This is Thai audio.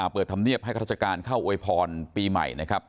อ่าเปิดธรรมเนียบให้ธรรมจักรการเข้าอวยพรปีใหม่นะครับ